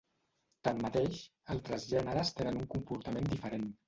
Tanmateix, altres gèneres tenen un comportament diferent.